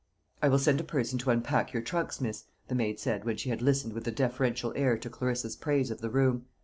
"I will send a person to unpack your trunks, miss," the maid said, when she had listened with a deferential air to Clarissa's praise of the room.